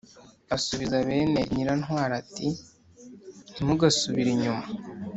Asubiza bene Nyirantwali ati ntimugasubire inyuma